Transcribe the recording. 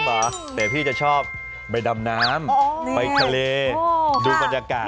เหรอแต่พี่จะชอบไปดำน้ำไปทะเลดูบรรยากาศ